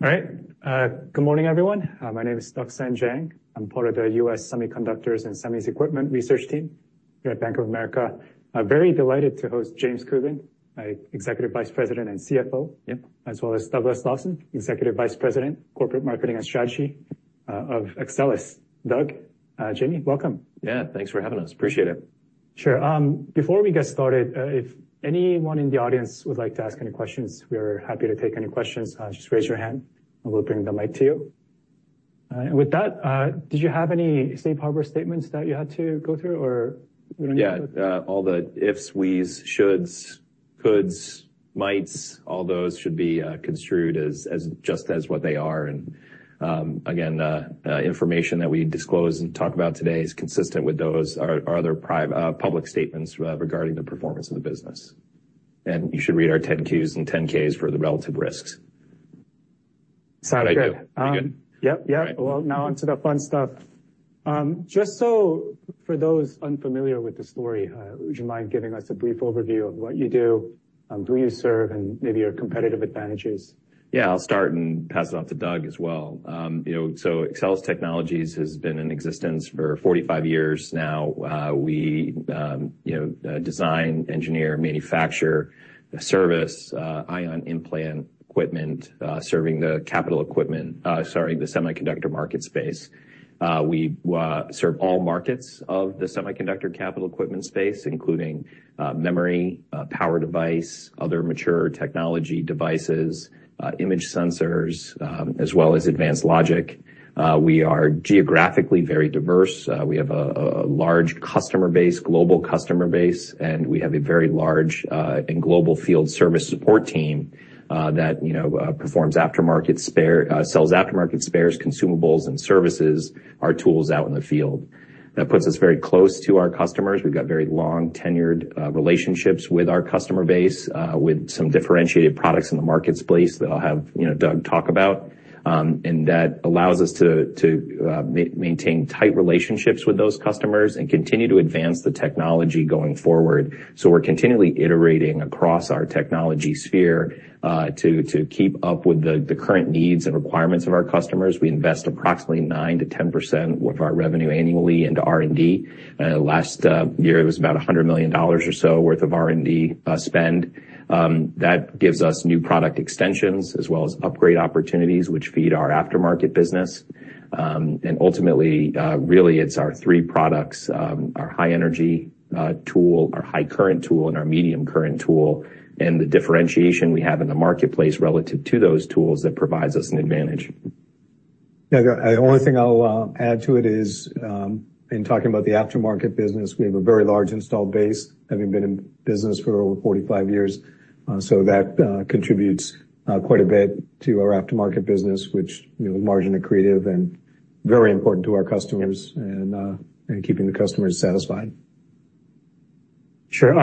All right. Good morning, everyone. My name is Duksan Jang. I'm part of the US Semiconductors and Semis Equipment Research Team here at Bank of America. I'm very delighted to host James Coogan, Executive Vice President and CFO, as well as Douglas Lawson, Executive Vice President, Corporate Marketing and Strategy of Axcelis. Doug, Jamie, welcome. Yeah, thanks for having us. Appreciate it. Sure. Before we get started, if anyone in the audience would like to ask any questions, we are happy to take any questions. Just raise your hand, and we'll bring the mic to you. And with that, did you have any safe harbor statements that you had to go through, or? Yeah, all the ifs, we's, shoulds, coulds, mights, all those should be construed just as what they are. And again, information that we disclose and talk about today is consistent with those other public statements regarding the performance of the business. And you should read our 10-Qs and 10-Ks for the relative risks. Sounds good. Sounds good? Yep, yep. Well, now on to the fun stuff. Just so for those unfamiliar with the story, would you mind giving us a brief overview of what you do, who you serve, and maybe your competitive advantages? Yeah, I'll start and pass it off to Doug as well. So Axcelis Technologies has been in existence for 45 years now. We design, engineer, manufacture, service, ion implant equipment, serving the capital equipment, sorry, the semiconductor market space. We serve all markets of the semiconductor capital equipment space, including memory, power device, other mature technology devices, image sensors, as well as advanced logic. We are geographically very diverse. We have a large customer base, global customer base, and we have a very large and global field service support team that performs aftermarket sales, aftermarket spares, consumables, and services, our tools out in the field. That puts us very close to our customers. We've got very long-tenured relationships with our customer base with some differentiated products in the market space that I'll have Doug talk about. That allows us to maintain tight relationships with those customers and continue to advance the technology going forward. We're continually iterating across our technology sphere to keep up with the current needs and requirements of our customers. We invest approximately 9%-10% of our revenue annually into R&D. Last year, it was about $100 million or so worth of R&D spend. That gives us new product extensions as well as upgrade opportunities, which feed our aftermarket business. Ultimately, really, it's our three products: our high-energy tool, our high-current tool, and our medium-current tool. The differentiation we have in the marketplace relative to those tools that provides us an advantage. Yeah, the only thing I'll add to it is, in talking about the aftermarket business, we have a very large installed base, having been in business for over 45 years. So that contributes quite a bit to our aftermarket business, which is margin accretive and very important to our customers and keeping the customers satisfied. Sure.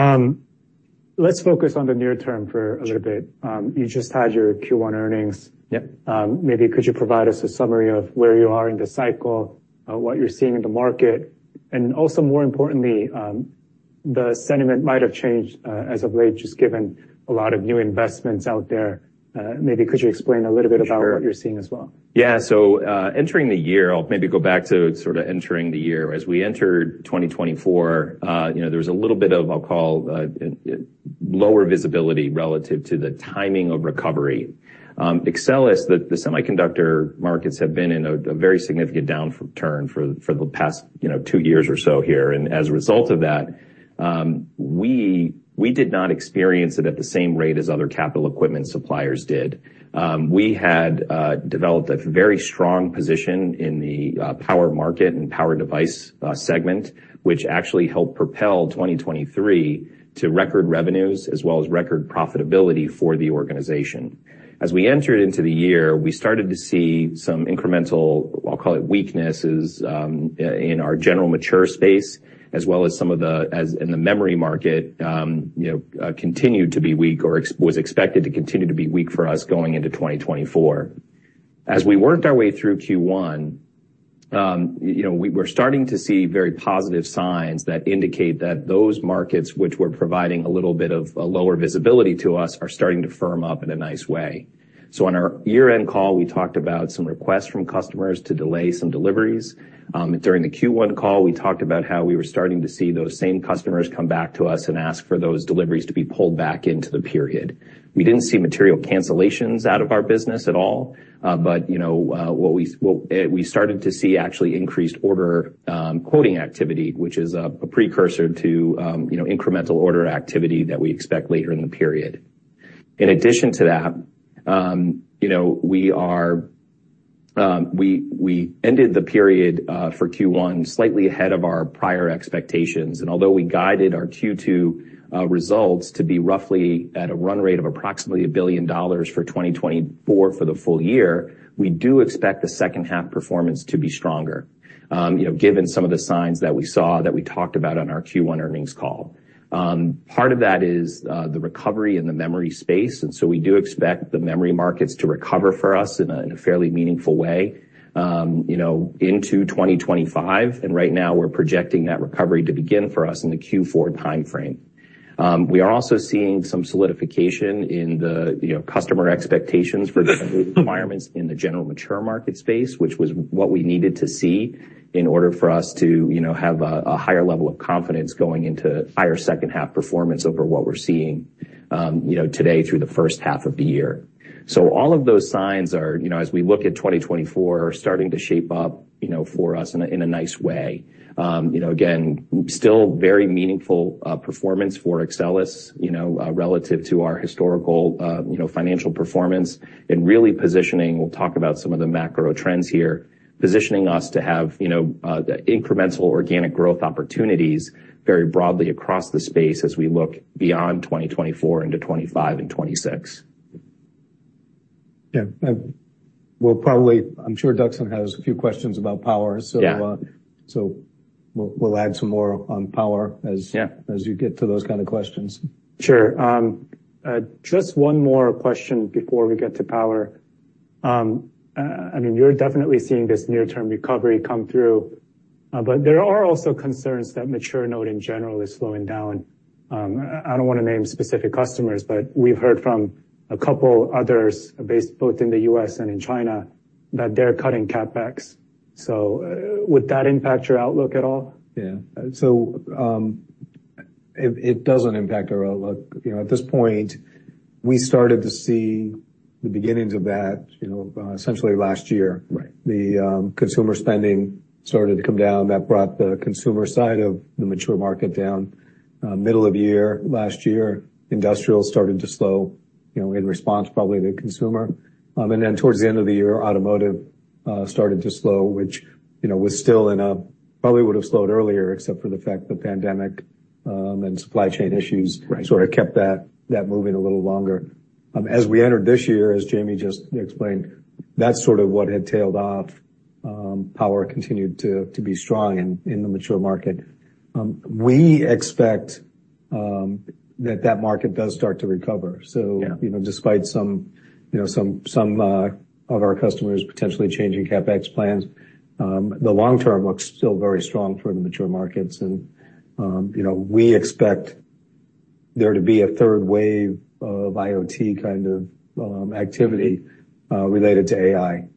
Let's focus on the near term for a little bit. You just had your Q1 earnings. Maybe could you provide us a summary of where you are in the cycle, what you're seeing in the market, and also, more importantly, the sentiment might have changed as of late, just given a lot of new investments out there. Maybe could you explain a little bit about what you're seeing as well? Yeah. So entering the year, I'll maybe go back to sort of entering the year. As we entered 2024, there was a little bit of, I'll call, lower visibility relative to the timing of recovery. Axcelis, the semiconductor markets, have been in a very significant downturn for the past two years or so here. And as a result of that, we did not experience it at the same rate as other capital equipment suppliers did. We had developed a very strong position in the power market and power device segment, which actually helped propel 2023 to record revenues as well as record profitability for the organization. As we entered into the year, we started to see some incremental, I'll call it, weaknesses in our general mature space, as well as some of the in the memory market continued to be weak or was expected to continue to be weak for us going into 2024. As we worked our way through Q1, we're starting to see very positive signs that indicate that those markets, which were providing a little bit of lower visibility to us, are starting to firm up in a nice way. So on our year-end call, we talked about some requests from customers to delay some deliveries. During the Q1 call, we talked about how we were starting to see those same customers come back to us and ask for those deliveries to be pulled back into the period. We didn't see material cancellations out of our business at all, but we started to see actually increased quarter quoting activity, which is a precursor to incremental order activity that we expect later in the period. In addition to that, we ended the period for Q1 slightly ahead of our prior expectations. And although we guided our Q2 results to be roughly at a run rate of approximately $1 billion for 2024 for the full year, we do expect the second half performance to be stronger, given some of the signs that we saw that we talked about on our Q1 earnings call. Part of that is the recovery in the memory space. And so we do expect the memory markets to recover for us in a fairly meaningful way into 2025. And right now, we're projecting that recovery to begin for us in the Q4 time frame. We are also seeing some solidification in the customer expectations for requirements in the general mature market space, which was what we needed to see in order for us to have a higher level of confidence going into higher second half performance over what we're seeing today through the first half of the year. So all of those signs are, as we look at 2024, starting to shape up for us in a nice way. Again, still very meaningful performance for Axcelis relative to our historical financial performance and really positioning, we'll talk about some of the macro trends here, positioning us to have incremental organic growth opportunities very broadly across the space as we look beyond 2024 into 2025 and 2026. Yeah. Well, probably, I'm sure Duksan has a few questions about power. So we'll add some more on power as you get to those kind of questions. Sure. Just one more question before we get to power. I mean, you're definitely seeing this near-term recovery come through, but there are also concerns that mature node in general is slowing down. I don't want to name specific customers, but we've heard from a couple others based both in the U.S., and in China that they're cutting CapEx. So would that impact your outlook at all? Yeah. So it doesn't impact our outlook. At this point, we started to see the beginnings of that essentially last year. The consumer spending started to come down. That brought the consumer side of the mature market down. Middle of year last year, industrial started to slow in response probably to consumer. And then towards the end of the year, automotive started to slow, which was still in a probably would have slowed earlier, except for the fact the pandemic and supply chain issues sort of kept that moving a little longer. As we entered this year, as Jamie just explained, that's sort of what had tailed off. Power continued to be strong in the mature market. We expect that that market does start to recover. So despite some of our customers potentially changing CapEx plans, the long term looks still very strong for the mature markets. We expect there to be a third wave of IoT kind of activity related to AI.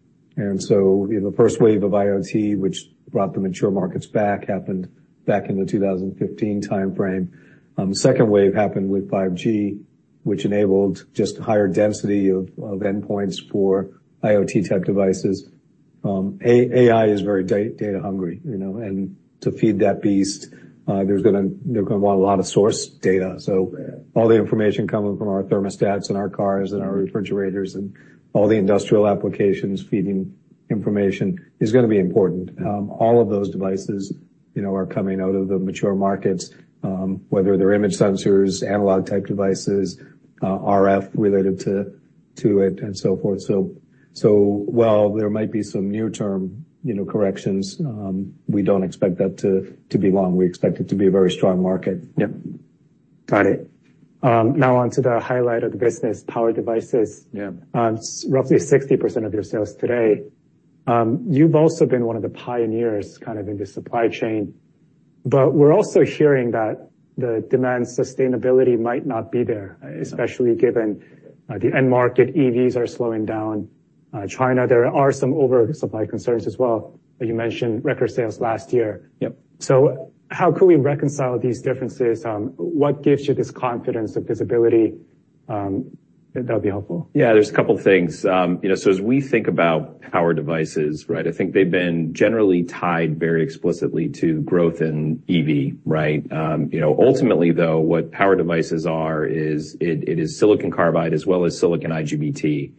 So the first wave of IoT, which brought the mature markets back, happened back in the 2015 time frame. Second wave happened with 5G, which enabled just a higher density of endpoints for IoT-type devices. AI is very data hungry. And to feed that beast, they're going to want a lot of source data. So all the information coming from our thermostats and our cars and our refrigerators and all the industrial applications feeding information is going to be important. All of those devices are coming out of the mature markets, whether they're image sensors, analog-type devices, RF related to it, and so forth. So while there might be some near-term corrections, we don't expect that to be long. We expect it to be a very strong market. Yep. Got it. Now on to the highlight of the business, power devices. Roughly 60% of your sales today. You've also been one of the pioneers kind of in the supply chain. But we're also hearing that the demand sustainability might not be there, especially given the end market EVs are slowing down. China, there are some oversupply concerns as well. You mentioned record sales last year. So how can we reconcile these differences? What gives you this confidence of visibility? That'll be helpful. Yeah, there's a couple of things. So as we think about power devices, right, I think they've been generally tied very explicitly to growth in EV, right? Ultimately, though, what power devices are is it is silicon carbide as well as silicon IGBT.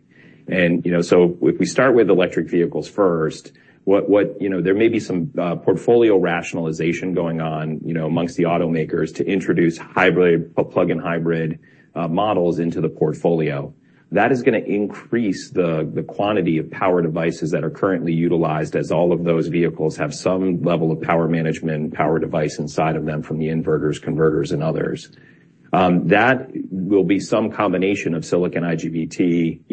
And so if we start with electric vehicles first, there may be some portfolio rationalization going on amongst the automakers to introduce hybrid, plug-in hybrid models into the portfolio. That is going to increase the quantity of power devices that are currently utilized as all of those vehicles have some level of power management, power device inside of them from the inverters, converters, and others. That will be some combination of silicon IGBT,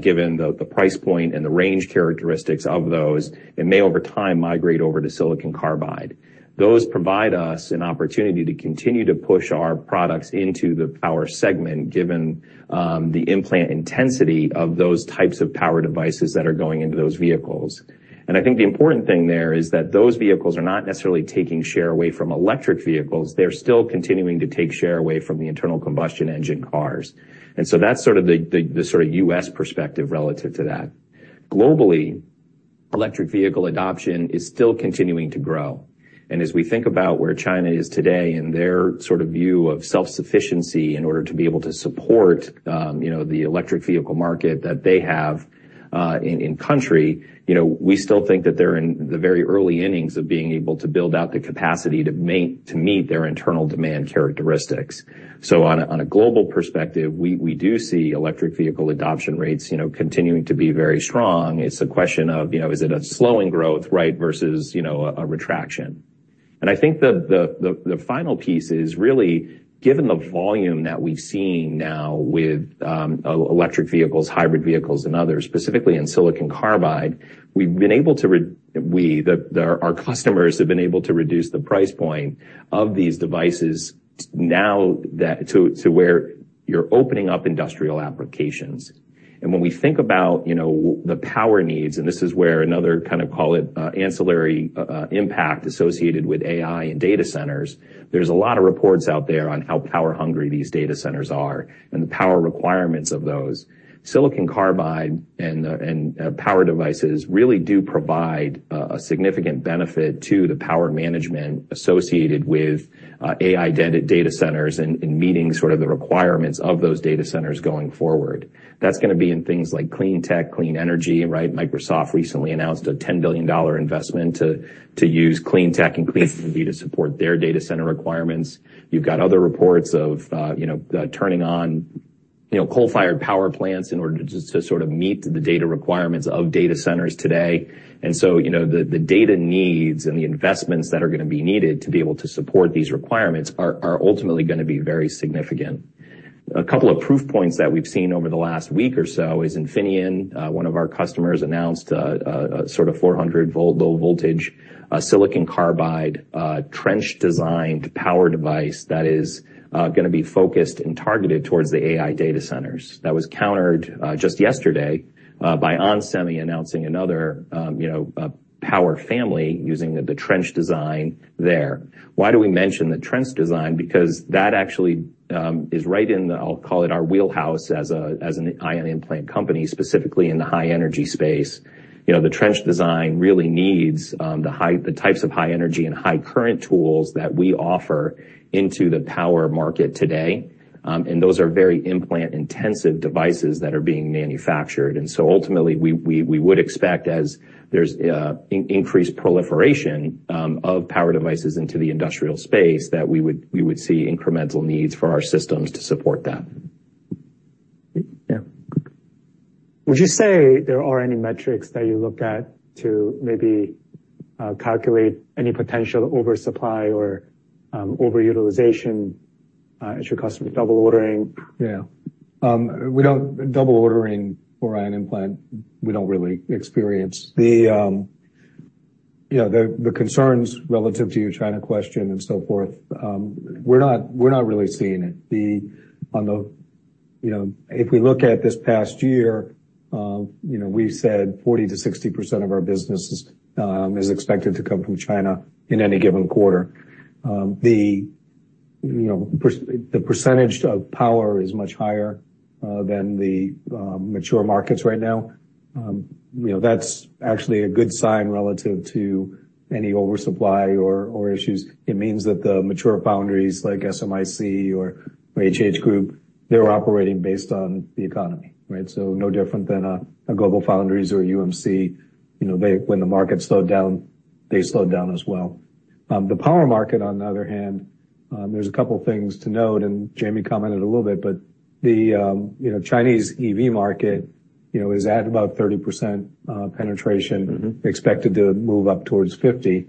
given the price point and the range characteristics of those. It may over time migrate over to silicon carbide. Those provide us an opportunity to continue to push our products into the power segment, given the implant intensity of those types of power devices that are going into those vehicles. And I think the important thing there is that those vehicles are not necessarily taking share away from electric vehicles. They're still continuing to take share away from the internal combustion engine cars. And so that's sort of the sort of U.S., perspective relative to that. Globally, electric vehicle adoption is still continuing to grow. And as we think about where China is today and their sort of view of self-sufficiency in order to be able to support the electric vehicle market that they have in country, we still think that they're in the very early innings of being able to build out the capacity to meet their internal demand characteristics. So on a global perspective, we do see electric vehicle adoption rates continuing to be very strong. It's a question of, is it a slowing growth, right, versus a retraction? And I think the final piece is really, given the volume that we've seen now with electric vehicles, hybrid vehicles, and others, specifically in silicon carbide, we've been able to, our customers have been able to reduce the price point of these devices now to where you're opening up industrial applications. And when we think about the power needs, and this is where another kind of call it ancillary impact associated with AI and data centers, there's a lot of reports out there on how power hungry these data centers are and the power requirements of those. Silicon carbide and power devices really do provide a significant benefit to the power management associated with AI data centers and meeting sort of the requirements of those data centers going forward. That's going to be in things like clean tech, clean energy, right? Microsoft recently announced a $10 billion investment to use clean tech and clean energy to support their data center requirements. You've got other reports of turning on coal-fired power plants in order to sort of meet the data requirements of data centers today. And so the data needs and the investments that are going to be needed to be able to support these requirements are ultimately going to be very significant. A couple of proof points that we've seen over the last week or so is Infineon, one of our customers, announced a sort of 400-volt low voltage silicon carbide trench-designed power device that is going to be focused and targeted towards the AI data centers. That was countered just yesterday by onsemi announcing another power family using the trench design there. Why do we mention the trench design? Because that actually is right in the, I'll call it our wheelhouse as an ion implant company, specifically in the high-energy space. The trench design really needs the types of high-energy and high-current tools that we offer into the power market today. And those are very implant-intensive devices that are being manufactured. And so ultimately, we would expect as there's increased proliferation of power devices into the industrial space that we would see incremental needs for our systems to support that. Yeah. Would you say there are any metrics that you look at to maybe calculate any potential oversupply or overutilization as your customer double ordering? Yeah. Double ordering for ion implant, we don't really experience. The concerns relative to your China question and so forth, we're not really seeing it. If we look at this past year, we said 40%-60% of our business is expected to come from China in any given quarter. The percentage of power is much higher than the mature markets right now. That's actually a good sign relative to any oversupply or issues. It means that the mature foundries like SMIC or HH Group, they're operating based on the economy, right? So no different than a GlobalFoundries or UMC. When the market slowed down, they slowed down as well. The power market, on the other hand, there's a couple of things to note, and Jamie commented a little bit, but the Chinese EV market is at about 30% penetration, expected to move up towards 50%.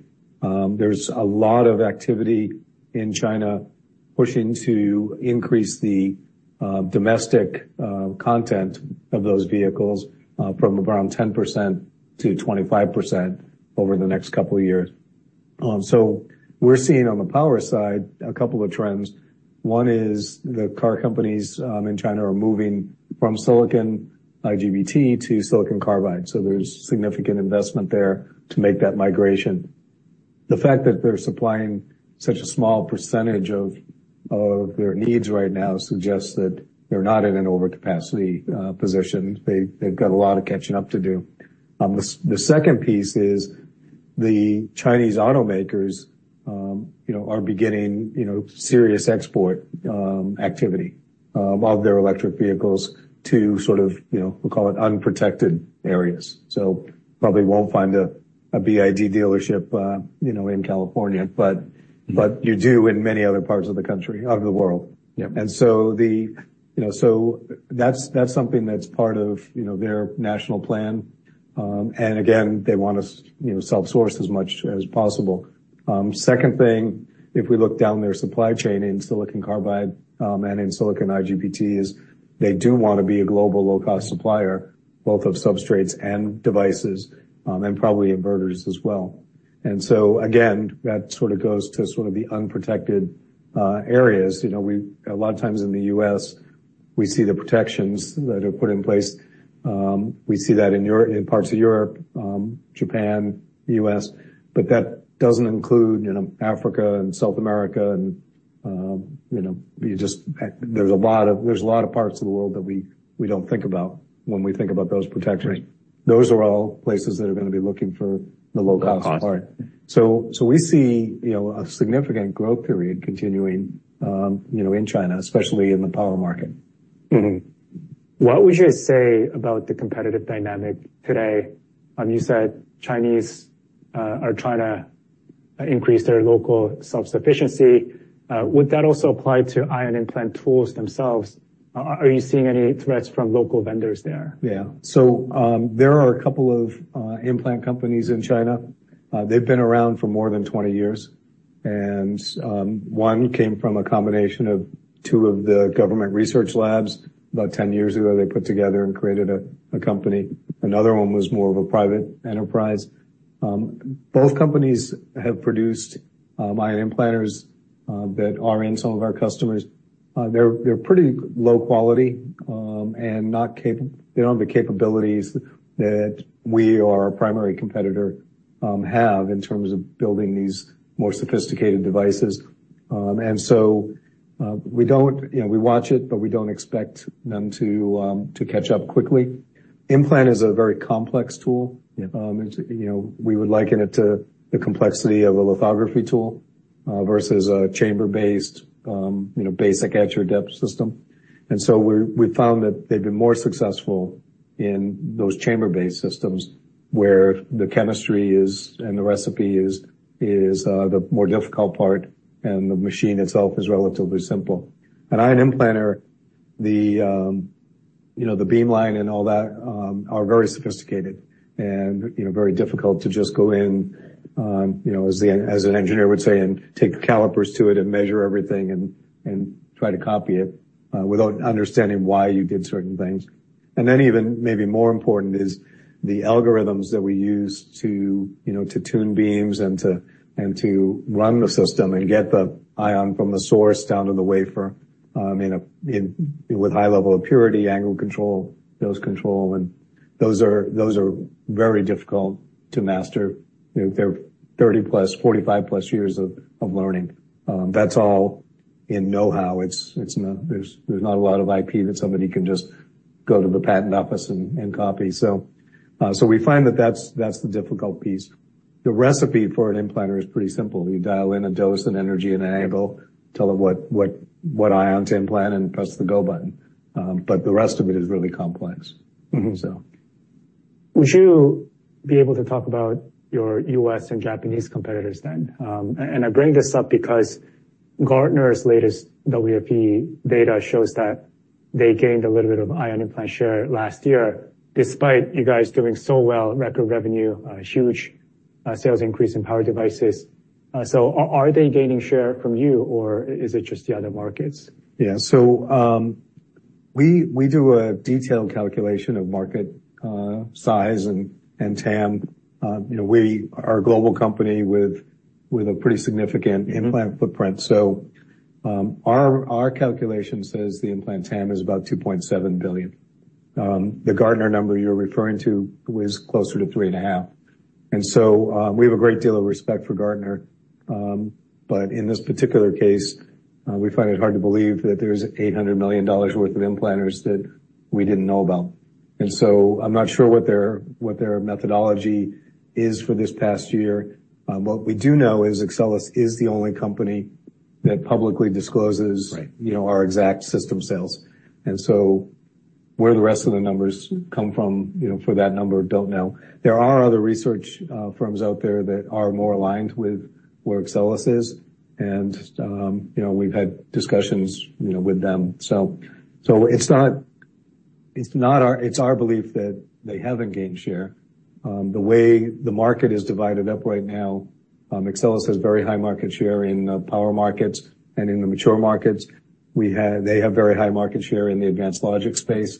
There's a lot of activity in China pushing to increase the domestic content of those vehicles from around 10%-25% over the next couple of years. So we're seeing on the power side a couple of trends. One is the car companies in China are moving from silicon IGBT to silicon carbide. So there's significant investment there to make that migration. The fact that they're supplying such a small percentage of their needs right now suggests that they're not in an overcapacity position. They've got a lot of catching up to do. The second piece is the Chinese automakers are beginning serious export activity of their electric vehicles to sort of, we'll call it unprotected areas. So probably won't find a BYD dealership in California, but you do in many other parts of the country, of the world. And so that's something that's part of their national plan. And again, they want to self-source as much as possible. Second thing, if we look down their supply chain in silicon carbide and in silicon IGBT, is they do want to be a global low-cost supplier, both of substrates and devices and probably inverters as well. And so again, that sort of goes to sort of the unprotected areas. A lot of times in the U.S., we see the protections that are put in place. We see that in parts of Europe, Japan, U.S., but that doesn't include Africa and South America. And there's a lot of parts of the world that we don't think about when we think about those protections. Those are all places that are going to be looking for the low-cost part. So we see a significant growth period continuing in China, especially in the power market. What would you say about the competitive dynamic today? You said Chinese or China increased their local self-sufficiency. Would that also apply to ion implant tools themselves? Are you seeing any threats from local vendors there? Yeah. So there are a couple of implant companies in China. They've been around for more than 20 years. And one came from a combination of two of the government research labs. About 10 years ago, they put together and created a company. Another one was more of a private enterprise. Both companies have produced ion implanters that are in some of our customers. They're pretty low quality and not capable. They don't have the capabilities that we or our primary competitor have in terms of building these more sophisticated devices. And so we watch it, but we don't expect them to catch up quickly. Implant is a very complex tool. We would liken it to the complexity of a lithography tool versus a chamber-based basic etch or dep system. So we've found that they've been more successful in those chamber-based systems where the chemistry and the recipe is the more difficult part and the machine itself is relatively simple. An ion implanter, the beamline and all that are very sophisticated and very difficult to just go in, as an engineer would say, and take calipers to it and measure everything and try to copy it without understanding why you did certain things. And then even maybe more important is the algorithms that we use to tune beams and to run the system and get the ion from the source down to the wafer with high level of purity, angle control, dose control. And those are very difficult to master. They're 30+, 45+ years of learning. That's all in know-how. There's not a lot of IP that somebody can just go to the patent office and copy. We find that that's the difficult piece. The recipe for an implanter is pretty simple. You dial in a dose and energy and an angle, tell it what ion to implant and press the go button. But the rest of it is really complex, so. Would you be able to talk about your U.S., and Japanese competitors then? I bring this up because Gartner's latest WFE data shows that they gained a little bit of ion implant share last year despite you guys doing so well, record revenue, huge sales increase in power devices. Are they gaining share from you or is it just the other markets? Yeah. So we do a detailed calculation of market size and TAM. We are a global company with a pretty significant implant footprint. So our calculation says the implant TAM is about $2.7 billion. The Gartner number you're referring to was closer to $3.5 billion. And so we have a great deal of respect for Gartner. But in this particular case, we find it hard to believe that there's $800 million worth of implanters that we didn't know about. And so I'm not sure what their methodology is for this past year. What we do know is Axcelis is the only company that publicly discloses our exact system sales. And so where the rest of the numbers come from for that number, don't know. There are other research firms out there that are more aligned with where Axcelis is. And we've had discussions with them. So it's not our belief that they haven't gained share. The way the market is divided up right now, Axcelis has very high market share in power markets and in the mature markets. They have very high market share in the advanced logic space.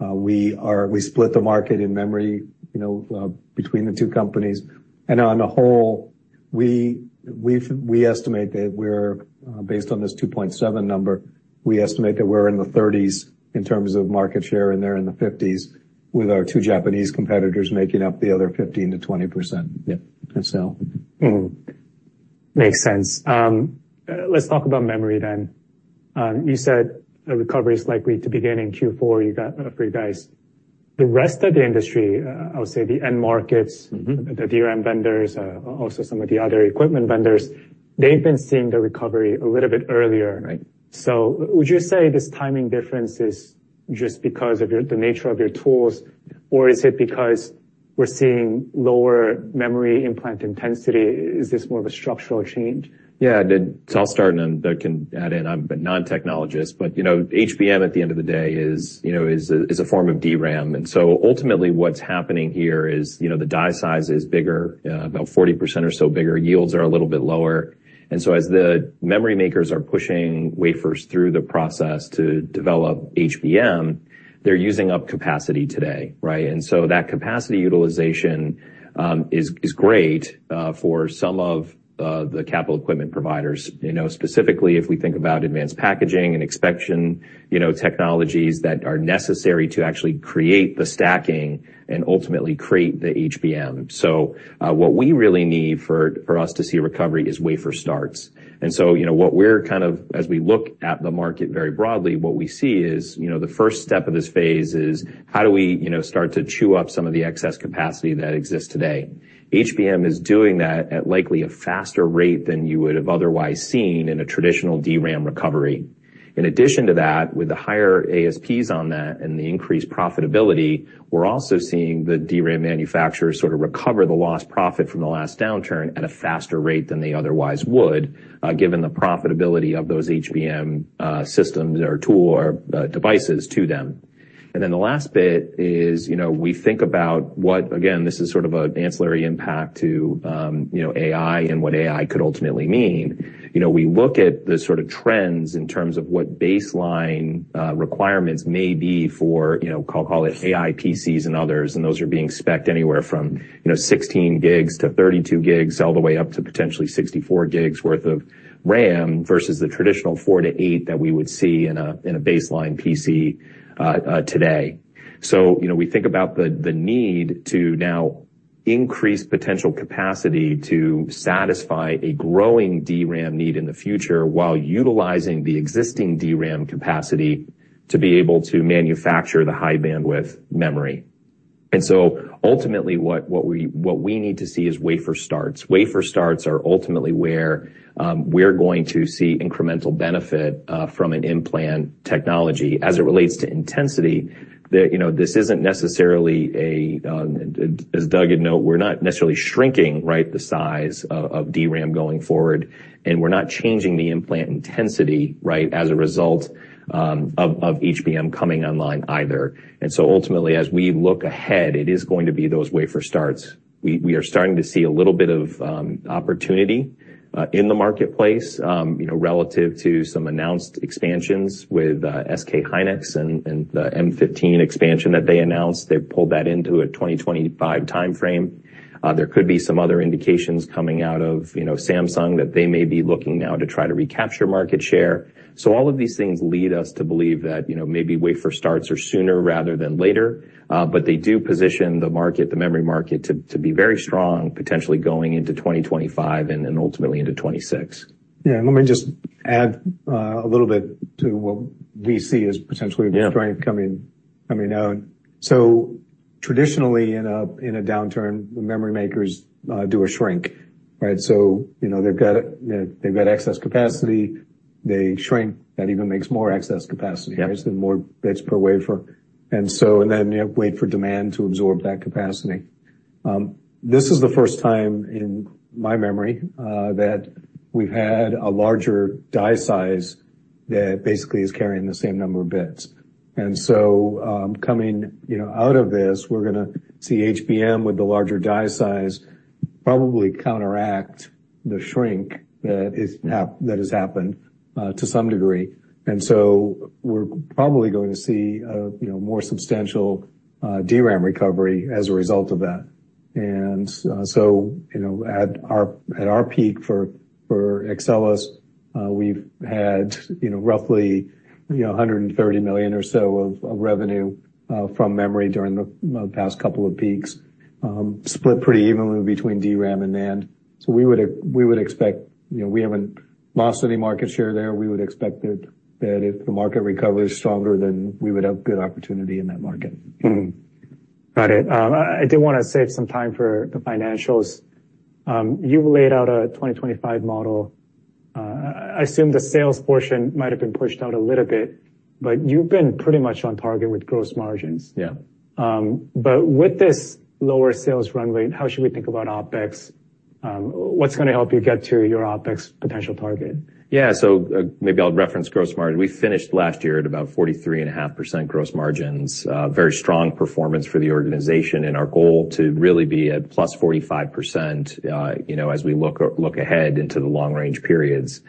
We split the market in memory between the two companies. And on the whole, we estimate that we're based on this 2.7 number. We estimate that we're in the 30s% in terms of market share and they're in the 50s% with our two Japanese competitors making up the other 15%-20%.Yeah. Makes sense. Let's talk about memory then. You said a recovery is likely to begin in Q4 for you guys. The rest of the industry, I'll say the end markets, the DRAM vendors, also some of the other equipment vendors, they've been seeing the recovery a little bit earlier. So would you say this timing difference is just because of the nature of your tools, or is it because we're seeing lower memory implant intensity? Is this more of a structural change? Yeah. It's all starting, but I can add in, I'm a non-technologist, but HBM at the end of the day is a form of DRAM. And so ultimately what's happening here is the die size is bigger, about 40% or so bigger. Yields are a little bit lower. And so as the memory makers are pushing wafers through the process to develop HBM, they're using up capacity today, right? And so that capacity utilization is great for some of the capital equipment providers. Specifically, if we think about advanced packaging and inspection technologies that are necessary to actually create the stacking and ultimately create the HBM. So what we really need for us to see recovery is wafer starts. And so what we're kind of, as we look at the market very broadly, what we see is the first step of this phase is how do we start to chew up some of the excess capacity that exists today? HBM is doing that at likely a faster rate than you would have otherwise seen in a traditional DRAM recovery. In addition to that, with the higher ASPs on that and the increased profitability, we're also seeing the DRAM manufacturers sort of recover the lost profit from the last downturn at a faster rate than they otherwise would, given the profitability of those HBM systems or tool or devices to them. And then the last bit is we think about what, again, this is sort of an ancillary impact to AI and what AI could ultimately mean. We look at the sort of trends in terms of what baseline requirements may be for, I'll call it AI PCs and others, and those are being specced anywhere from 16GB-32 GB all the way up to potentially 64 GB worth of RAM versus the traditional 4GB-8GB that we would see in a baseline PC today. So we think about the need to now increase potential capacity to satisfy a growing DRAM need in the future while utilizing the existing DRAM capacity to be able to manufacture the high bandwidth memory. And so ultimately what we need to see is wafer starts. Wafer starts are ultimately where we're going to see incremental benefit from an implant technology as it relates to intensity. This isn't necessarily, as Doug had noted, we're not necessarily shrinking the size of DRAM going forward, and we're not changing the implant intensity as a result of HBM coming online either. So ultimately, as we look ahead, it is going to be those wafer starts. We are starting to see a little bit of opportunity in the marketplace relative to some announced expansions with SK hynix and the M15 expansion that they announced. They pulled that into a 2025 timeframe. There could be some other indications coming out of Samsung that they may be looking now to try to recapture market share. So all of these things lead us to believe that maybe wafer starts are sooner rather than later, but they do position the memory market to be very strong, potentially going into 2025 and ultimately into 2026. Yeah. Let me just add a little bit to what we see as potentially the strength coming out. So traditionally, in a downturn, the memory makers do a shrink, right? So they've got excess capacity. They shrink. That even makes more excess capacity, right? So more bits per wafer. And then wait for demand to absorb that capacity. This is the first time in my memory that we've had a larger die size that basically is carrying the same number of bits. And so coming out of this, we're going to see HBM with the larger die size probably counteract the shrink that has happened to some degree. And so we're probably going to see more substantial DRAM recovery as a result of that. So at our peak for Axcelis, we've had roughly $130 million or so of revenue from memory during the past couple of peaks, split pretty evenly between DRAM and NAND. We would expect we haven't lost any market share there. We would expect that if the market recovers stronger, then we would have good opportunity in that market. Got it. I did want to save some time for the financials. You laid out a 2025 model. I assume the sales portion might have been pushed out a little bit, but you've been pretty much on target with gross margins. But with this lower sales run rate, how should we think about OpEx? What's going to help you get to your OpEx potential target? Yeah. So maybe I'll reference gross margin. We finished last year at about 43.5% gross margins, very strong performance for the organization and our goal to really be at plus 45% as we look ahead into the long range periods.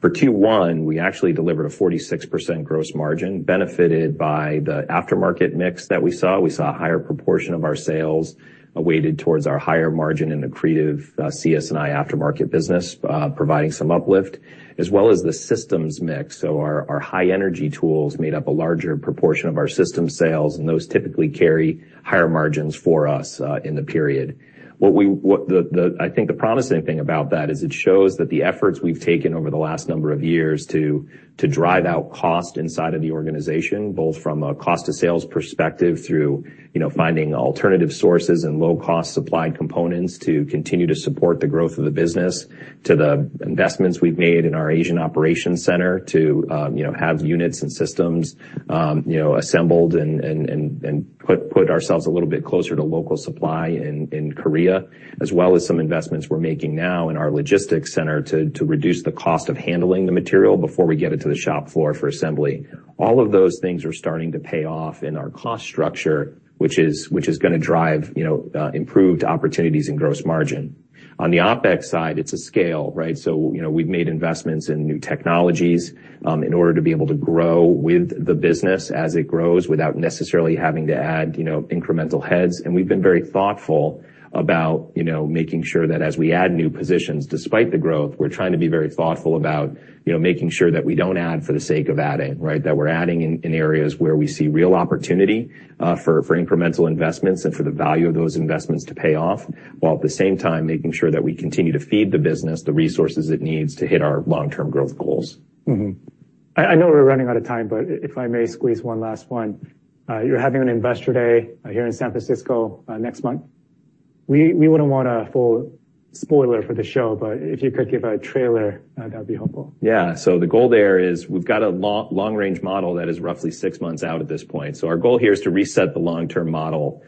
For Q1, we actually delivered a 46% gross margin benefited by the aftermarket mix that we saw. We saw a higher proportion of our sales weighted towards our higher margin and accretive CS&I aftermarket business providing some uplift, as well as the systems mix. So our high energy tools made up a larger proportion of our system sales, and those typically carry higher margins for us in the period. I think the promising thing about that is it shows that the efforts we've taken over the last number of years to drive out cost inside of the organization, both from a cost of sales perspective through finding alternative sources and low-cost supplied components to continue to support the growth of the business, to the investments we've made in our Asian operations center to have units and systems assembled and put ourselves a little bit closer to local supply in Korea, as well as some investments we're making now in our logistics center to reduce the cost of handling the material before we get it to the shop floor for assembly. All of those things are starting to pay off in our cost structure, which is going to drive improved opportunities in gross margin. On the OpEx side, it's a scale, right? We've made investments in new technologies in order to be able to grow with the business as it grows without necessarily having to add incremental heads. We've been very thoughtful about making sure that as we add new positions, despite the growth, we're trying to be very thoughtful about making sure that we don't add for the sake of adding, right? That we're adding in areas where we see real opportunity for incremental investments and for the value of those investments to pay off, while at the same time making sure that we continue to feed the business the resources it needs to hit our long-term growth goals. I know we're running out of time, but if I may squeeze one last one. You're having an Investor Day here in San Francisco next month. We wouldn't want a full spoiler for the show, but if you could give a trailer, that would be helpful. Yeah. So the goal there is we've got a long-range model that is roughly six months out at this point. So our goal here is to reset the long-term model,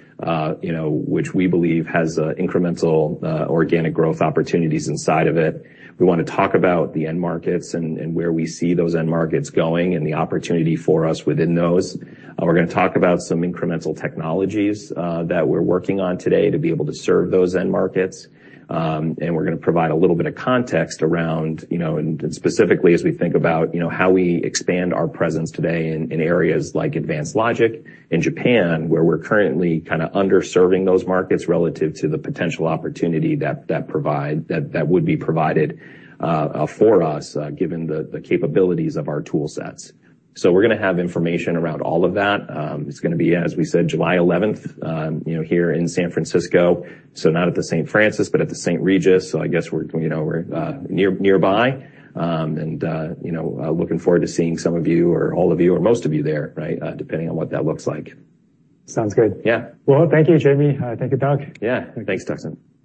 which we believe has incremental organic growth opportunities inside of it. We want to talk about the end markets and where we see those end markets going and the opportunity for us within those. We're going to talk about some incremental technologies that we're working on today to be able to serve those end markets. And we're going to provide a little bit of context around, specifically as we think about how we expand our presence today in areas like advanced logic in Japan, where we're currently kind of underserving those markets relative to the potential opportunity that would be provided for us given the capabilities of our tool sets. So we're going to have information around all of that. It's going to be, as we said, July 11th here in San Francisco. So not at the St. Francis, but at the St. Regis. So I guess we're nearby. And looking forward to seeing some of you or all of you or most of you there, right? Depending on what that looks like. Sounds good. Yeah. Well, thank you, Jamie. Thank you, Doug. Yeah. Thanks, Duksan.